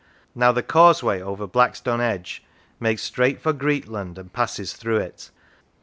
Now the causeway over Blackstone Edge makes straight for Greetland and passes through it.